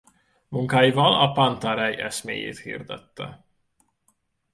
Munkáival a panta rhei eszméjét hirdette.